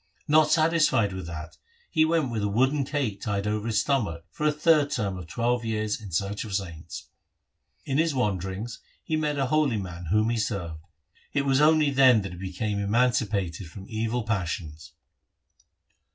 Not satisfied with that, he went with a wooden cake tied over his stomach for a third term of twelve years in search of saints. In his wanderings he met a holy man whom he served. It was only then that he became emancipated from evil passions.'